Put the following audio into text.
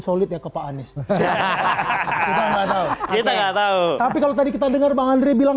solid ya ke pak anies hahaha kita enggak tahu tapi kalau tadi kita dengar bang andri bilang